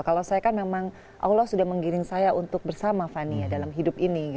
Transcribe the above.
kalau saya kan memang allah sudah menggiring saya untuk bersama fania dalam hidup ini